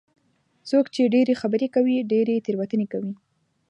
څوک چې ډېرې خبرې کوي، ډېرې تېروتنې کوي.